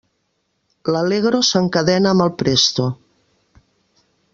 L'allegro s'encadena amb el Presto.